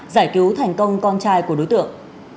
giải cứu thành công con trai của đối tượng